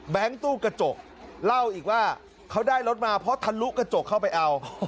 ตู้กระจกเล่าอีกว่าเขาได้รถมาเพราะทะลุกระจกเข้าไปเอา